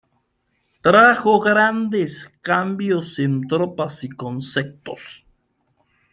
Trajo grandes cambios en tropas y conceptos.